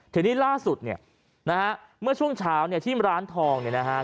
ทีนี้ล่าสุดเนี่ยนะฮะเมื่อช่วงเช้าเนี่ยที่ร้านทองเนี่ยนะฮะ